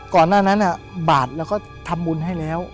ก่อนหน้านั้นบาทเราก็ทำบุญให้แล้ว